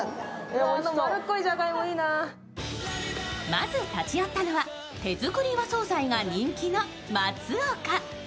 まず立ち寄ったのは手作り和惣菜が人気のまつおか。